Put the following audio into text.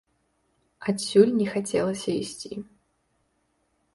Адсюль не хацелася ісці.